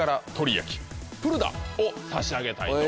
焼きプルダッを差し上げたいと。